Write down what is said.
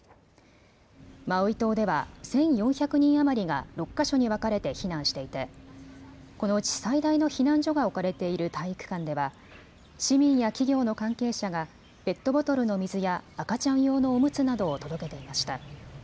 マウイ島では１４００人余りが６か所に分かれて避難していてこのうち最大の避難所が置かれている体育館では市民や企業の関係者がペットボトルの水や赤ちゃん用のおむつなどを届けていました。